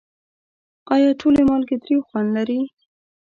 آیا ټولې مالګې تریو خوند لري؟